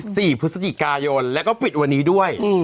พฤศจิกายนแล้วก็ปิดวันนี้ด้วยอืม